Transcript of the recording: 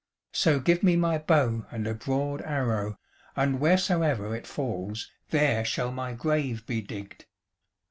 So give me my bow and a broad arrow, and wheresoever it falls there shall my grave be digged.